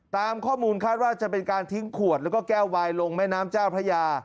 ตามข้อมูลคาดว่าจะเป็นการทิ้งขวดแล้วก็แก้ววายลงแม่น้ำเจ้าพระยา